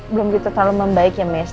belum gitu terlalu membaik ya mas